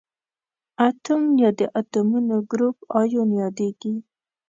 اتوم یا د اتومونو ګروپ ایون یادیږي.